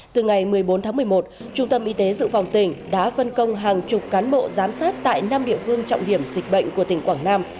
từ ngày một mươi bốn tháng một mươi một trung tâm y tế dự phòng tỉnh đã phân công hàng chục cán bộ giám sát tại năm địa phương trọng điểm dịch bệnh của tỉnh quảng nam